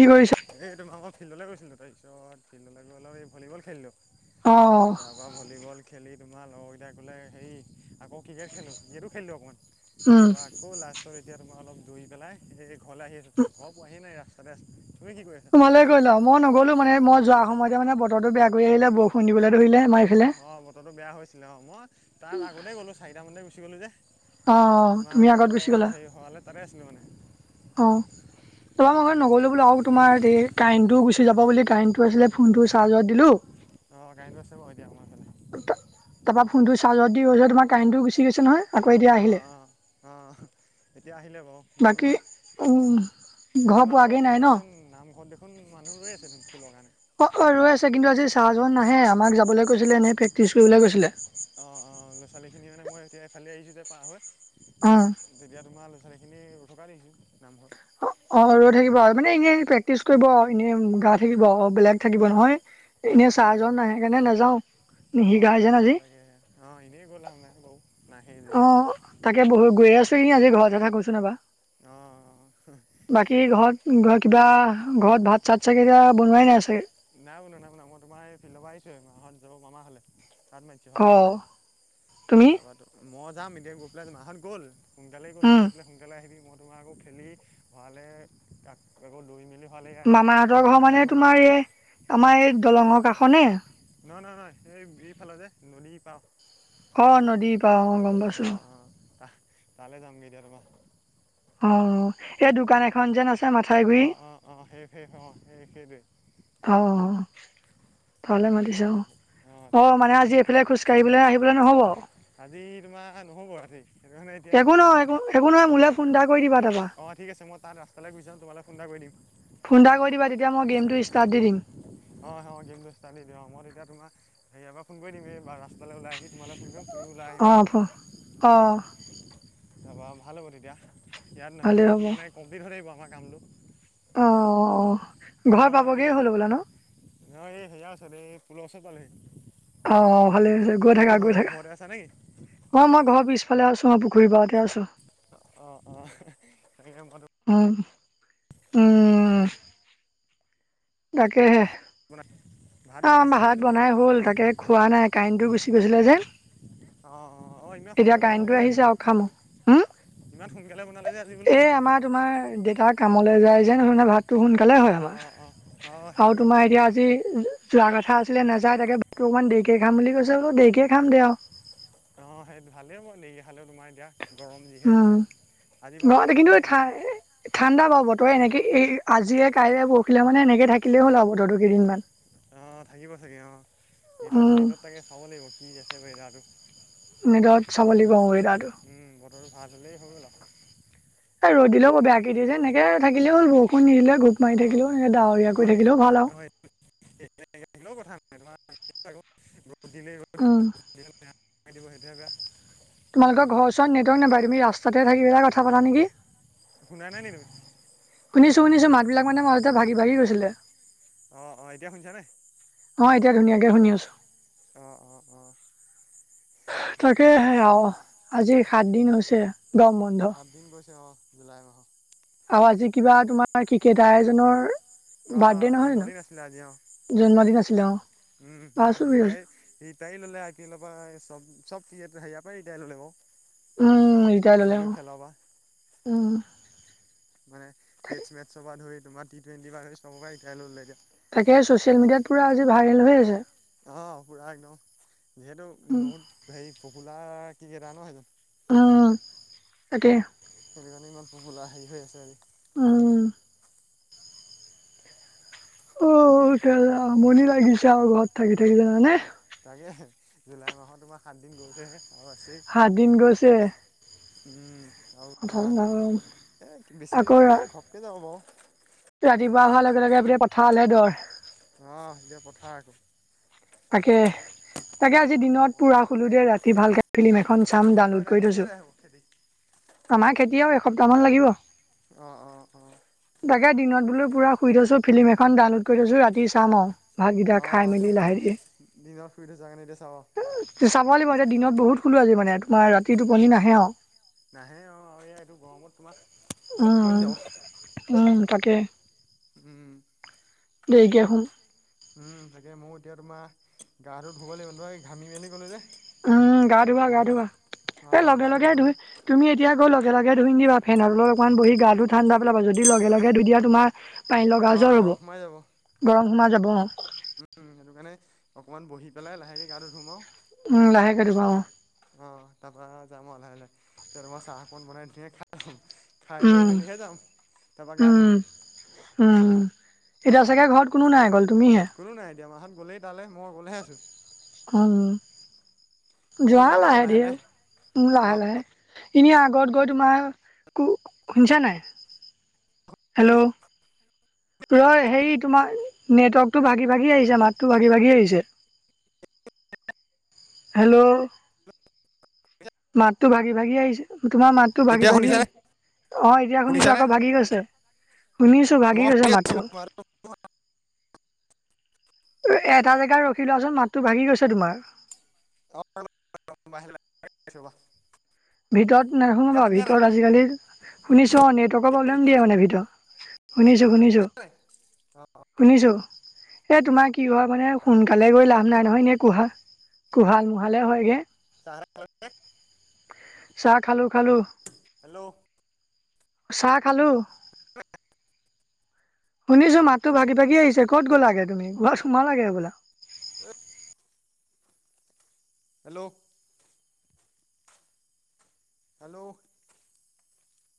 কি কৰিছা? এই তোমাৰ মই ফিল্ডলে গৈছিলোঁ, তাৰপিছত ফিল্ডলে গৈ অলপ এই ভলীবল খেলিলোঁ। অ'। তাৰপৰা ভলীবল খেলি তোমাৰ লগৰকেইটাই ক'লে হেৰি, আকৌ ক্ৰিকেট খেলোঁ ক্ৰিকেটো খেলিলোঁ অকণমান। তাৰপা আকৌ লাষ্টত এতিয়া তোমাৰ অলপ দৌৰি পেলাই এই ঘৰলে আহি আছোঁ, ঘৰ পোৱাহ হি য়ে নাই ৰাস্তা [unintelligible] তুমি কি কৰি আ [unintelligible] কৰিলা মই নগ'লো মানে মই যোৱা সময়তে মানে বতৰটো বেয়া কৰি আহিলে, বৰষুণ দিবলৈ ধৰিলে। অ', বতৰো বেয়া হৈছিলে অ, মই তাৰ আগতে গ'লো চাৰিটামানতে গুচি গলো যে। তোমাৰ বতৰ হেৰি হোৱালৈ তাতে আছিলোঁ মানে। অ'। তোমাৰ ম ঘৰত নগ'লো বোলো আৰু তোমাৰ এই কাৰেণ্টটো গুচি যাব বুলি কাৰেণ্টটো আছিলে ফোনটো চাৰ্জত দিলো। [inaudible] তা-তাৰপা ফোনটো চাৰ্জত দি হৈছে তোমাৰ কাৰেণ্টটো গুচি গৈছে নহয়। অ', অ', অ', এতিয়া আহিলে বাৰু মই তোমাৰ এ, তোমালোকৰ হেৰিয়ত দেখোন নামঘৰত দেখোন মানুহ ৰৈ আছে দেখোন খোলৰ কাৰণে। অ', অ', ৰৈ আছে কিন্তু আজি ছাৰজন নাহে আমাক যাবলে কৈছিলে, এনে প্ৰেক্টিচ কৰিবলৈ কৈছিলে। অ', অ', ল'ৰা ছোৱালীখিনি মানে মই এতিয়া ইফালে আহিছোঁ যে পাৰ হৈ অ'। তেতিয়া তোমাৰ ল'ৰা ছোৱালীখিনি ৰৈ থকা দিছোঁ নামঘৰত। অ', অ', ৰৈ থাকিব আৰু মানে এনেই প্ৰেক্টিচ কৰিব এনে গাই থাকিব বেলেগ থাকিব নহয়। এনেই ছাৰজন নাই কাৰণে নাযাওঁ, নিশিকাই যেন আজি। অ', এনেই গৈ লাভ নাই বাৰু নাহেই যেতিয়া। [inaudible] অ', অ', তাকেহে। [unintelligible] কিবা ঘৰত ভাত চাত চাগে এতিয়া বনোৱাই নাই চাগে। নাই শুনো, নাই শুনা মই তোমাৰ এই ফিল্ডৰ পৰা আহছো হে মাহত যাব মামা হলে তাত ম ভাত আজি, তাৰপৰা মই যাম এতিয়া গৈ পেলাই মাহঁত গ'ল সোনকালেই গ'ল মোক কৈছিলে সোনকালে আহিবি মই তোমাক আকৌ খেলি ভঁৰালৈ তাক আকৌ দৌৰি মেলি মামাহঁতৰ ঘৰ মানে তোমাৰ এই আমাৰ এই দলঙৰ কাষনে নহয়, নহয়, নহয় এই ভ ফালে যে নদী পাওঁ অ', নদী ইপাৰৰ অ, গম অ', অ', ত তালৈ যামগৈ এতিয়া তোমাৰ অ', এই দোকানে এন যেন আছে মাথা অ', অ', অ', শেষ শেষ অ, সে সেইটোৱে অ', খাবলৈ মাতিছে অ', অ', মানে আজি এইফালে খোজকাঢ়িবলৈ আহিবলৈ নহ'ব আজি তোমাৰ নহ'ব আজি একো নহয়, একো নহয়, মোলে ফোন এটা কৰি দিবা তাক অ', ঠিক আছে, মই তাত ৰাস্তালৈ গোছি যাম তোমালে ফোন এটা কৰি দিম ফোন এটা কৰি দিবা তেতিয়া মই গেমটো ষ্টাৰ্ট দি দিম। অ', হয় গেমটো ষ্টাৰ্ট দি দিয়া, অ, মই তেতিয়া তোমাৰ হেৰিয়াৰ ফোন কৰি দিম এই ৰাস্তালৈ ওলাই আহি তোমালৈ ফোন কৰিম অ', অ', তাৰপৰা ভাল হ'ব তেতিয়া ইয়াত নাহিলেও মানে কমপ্লিট হৈ থাকিব আমাৰ কামটো অ', অ', মই এই নহয় এই হেৰিয়াৰ ওচৰত এই পুলৰ ওচৰত পালোঁ হি অ', ভালে হৈছে গৈ থাকা, গৈ থাকা। অ', মই ঘৰ পিছফালে আছো মই পুখুৰী পাৰতে আছো। অ', অ', [unintelligible] অ', উম, তাকেহে অ', ভাত বনাই হ'ল তাকে খোৱা নাই কাৰেন্টো গুচি গৈছিলে যে। এতিয়া কাৰেন্টো আহিছে আৰু খাম আৰু উম, ইমান সোনকালে বনালে যে? এ, আমাৰ তোমাৰ দেউতা কামলৈ যায় যে [unintelligible] ভাত তো সোনকালে হয় আমাৰ, আৰু তোমাৰ এতিয়া আজি যোৱা কথা আছিলে নাযায়, তাকে ভাতটো অকমান দেৰিকে খাম বুলি কৈছে বাৰু দেৰিকে খাম দে আৰু। অ', সেইটো ভালেই বাৰু দেৰি খালেও তোমাৰ এতিয়া গৰম যিহে দিছে, আজি পৰা অলপ ঠাণ্ডাই হয় ঠাণ্ডা পাব, তই এনেকে এই আজিয়ে কাইলে পৰহিলে মানে এনেকৈ থাকিলেই হ'ল আৰু বতৰটো কেইদিনমান। অ', থাকিব চাগে অ', নেটত নেটত তাকে চাব লাগিব কি আছে ওৱেডাৰটো। নেটত চাব লাগিব অ, ওৱেডাৰটো। ভাত হলেই হৈ গ'ল আৰু। এ ৰ'দ দিলেও বৰ বেয়াকে দিয়ে যে, এনেকে থাকিলেই হ'ল বৰ নিদিলে ঘোপ মাৰি থাকিলেও এ ডাৱৰীয়া কৰি থাকিলেও ভাল আৰু। [unintelligible] [unintelligible] সেইটোহে বেয়া। তোমালোকৰ ঘৰৰ ওচৰত নেটৰ্ক নাপায়, তুমি ৰাস্ততে থাকি কথা পাতা নেকি। শুনা নাই নি তুমি? শুনিছো শুনিছোঁ মাত বিলাক মানে মাজতে ভাঙি ভাঙি গৈছিলে। অ', অ', এতিয়া শুনিছা নে? অ', অ', অ', তাকে সেইয়া আৰু, আজি সাত দিন হৈছে। সাত দিন গৈছে অ, জুলাই মাহৰ আৰু আজি কিবা তোমাৰ ক্ৰিকটাৰ এজনৰ বাৰ্থডে নহয় জানো? জন্মদিন আছিলে অ'। উম, উম, ৰিটাইৰ ৰি টায়াৰ ল'লে আই পি এলৰ পৰা চব চব ক্ৰিকেটাৰ ইয়াৰ পৰাই ৰিটায়াৰ ল'লে আকৌ। উম, ৰিটায়াৰ ল'লে আৰু উম। মানে টেষ্ট মেটছৰ পৰা ধৰি তোমাৰ টি টুৱেণ্টিৰ পৰা ধৰি চবৰ পৰা ৰিটায়াৰ ল'লে এতিয়া। তাকে ছ'চিয়েল মিডিয়াত পুৰা আজি ভাইৰেল হৈ আছে। অ' পুৰা একদম যিহেতু বহুত হেৰি পপুলাৰ ক্ৰিকেইটা নহয় এইজন। উম, তাকে। সেইটো কাৰণে ইমান পপুলাৰ হেৰি হৈ আছে আজি। উম। অ' আমনি লাগিছে আৰু ঘৰত থাকি থাকি জানানে? তাকে। জুলাই মা'হৰ তোমাৰ সাতদিন গৈছেহে, আৰু আছেই। সাতদিন গৈছে? উম, আৰু তোমাৰ এ, বেছিদিন নালাগে ঘপকে যাব বাৰু। ৰাতিপুৱা হোৱাৰ লগে লগে বোলে পথাৰলে দৰ। অ' এতিয়া পথাৰ আকৌ। তাকে তাকে আজি দিনত পুৰা শুলো দেই, ৰাতি ভালকে ফিল্ম এখন চাম ডাউনলোড কৰি থৈছোঁ। আমাৰ খেতি আৰু এসপ্তাহমান লাগিব। অ', অ', অ'। তাকে দিনত বোলো পুৰা শুই থৈছোঁ, ফিল্ম এখন ডাউনলোড কৰি থৈছোঁ ৰাতি চাম আৰু। ভাতকেইটা খাই মেলি লাহে ধিৰে। দিনত শুই থৈছ কাৰনে এতিয়া চাৱ। চাব লাগিব, এতিয়া দিনত বহুত শুলোঁ আজি মানে তোমাৰ ৰাতি টোপণী নাহে আৰু। নাহে আৰু এই এইটো গৰমত তোমাৰ উম, উম। উম, তাকে। উম। দেৰিকে শুম। উম, তাকে ময়ো এতিয়া তোমাৰ গাটো ধুব লাগিব, তোমাৰ ঘামি মেলি গ'লো যে। উম, গা ধুৱা গা ধুৱা। এই লগে লগে ধুই তুমি এতিয়া গৈ লগে লগে ধুই নিদিবা, ফেনৰ তলত অকমান বহি গাটো ঠাণ্ডা পেলাবা, যদি লগে লগে ধুই দিয়া তোমাৰ পানীলগা জ্বৰ হ'ব। গৰম সোমাই যাব অ'। উম, সেইটো কাৰণে অকণমান বহি পেলাই লাহেকে গাটো ধুম আৰু। উম, লাহেকে ধুবা অ'। অ' তাৰপৰা যাম আৰু লাহে লাহে। এতিয়া তোমাৰ চাহ অকন বনাই ধুনীয়াকে খা খাই লৈ মেলিহে যাম, তাৰপা গা ধুম। উম। এতিয়া চাগে ঘৰত কোনো নাই অকল তুমি হে। কোনো নাই এতিয়া, মাহঁত গলেই তালে। মই অকলেহে আছোঁ। উম, যোৱা লাহে ধিৰে আৰু। লাহে লাহে। এনেই আগত গৈ তোমাৰ কু শুনিছা নাই? হেল্ল'। তই হেৰি তোমাৰ নেটৱৰ্কটো ভাগি ভাগি আহিছে, মাতটো ভাগি ভাগি আহিছে। হেল্ল'। মাতটো ভাগি ভাগি আহিছে। তোমাৰ মাতটো ভাগি ভাগি, অ' এতিয়া শুনিছোঁ, আকৌ ভাগি গৈছে। শুনি আছোঁ, ভাগি গৈছে মাতটো। এটা জেগা ৰখি লোৱাচোন, মাতটো ভাগি গৈছে তোমাৰ। [unintelligible] বাহিৰলৈ ওলাই লৈছোঁ ৰ'বা। ভিতৰত না সোমাবা, ভিতৰত আজিকালি শুনিছোঁ অ' নেট নেটৰকৰ প্ৰব্লেম দিয়ে মানে ভিতৰত। শুনিছোঁ শুনিছোঁ। শুনিছো, এ তোমাৰ কি হয় মানে সোনকালে গৈ লাভ নাই নহয় ন কোহা কুহাল মোহালে হয়গে। চাৰ [unintelligible] চাহ খালোঁ, খালোঁ। হেল্ল' চাহ খালো। শুনিছো, মাতটো ভাগি ভাগিছে, কত গ'লগে তুমি সোমালাগে। Hello hello